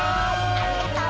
ありがとう。